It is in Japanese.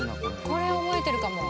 これ覚えてるかも。